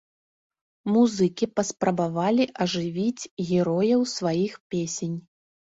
Музыкі паспрабавалі ажывіць герояў сваіх песень.